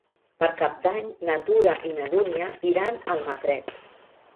Per Cap d'Any na Tura i na Dúnia iran a Almatret.